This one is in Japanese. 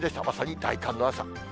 まさに大寒の朝。